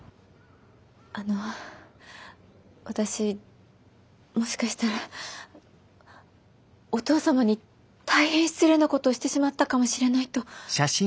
あの私もしかしたらお父様に大変失礼なことをしてしまったかもしれないと。